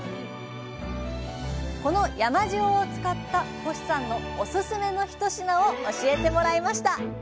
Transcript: この山塩を使った星さんのおすすめの一品を教えてもらいました。